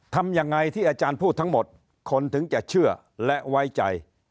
ทำยังไงที่อาจารย์พูดทั้งหมดคนถึงจะเชื่อและไว้ใจ